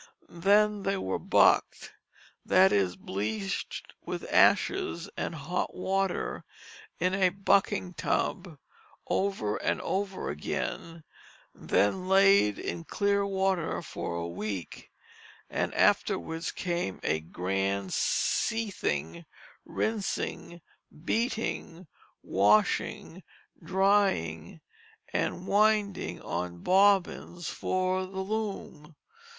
Then they were "bucked," that is, bleached with ashes and hot water, in a bucking tub, over and over again, then laid in clear water for a week, and afterwards came a grand seething, rinsing, beating, washing, drying, and winding on bobbins for the loom.